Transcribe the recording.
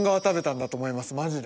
マジで。